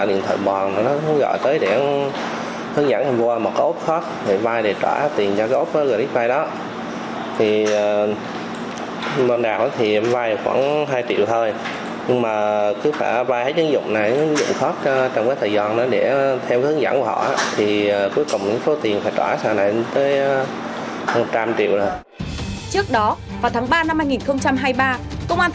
điện thoại bí mật điện thoại bí mật điện thoại bí mật điện thoại bí mật điện thoại bí mật điện thoại bí mật điện thoại bí mật điện thoại bí mật điện thoại bí mật